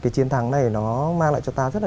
chiến thắng này nó mang lại cho ta